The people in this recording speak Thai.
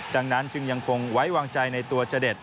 ดังนั้นจึงยังคงไว้วางใจในตัวจด